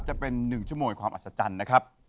จะเป็น๑ชั่วโมงความอัศจรรย์นะครับ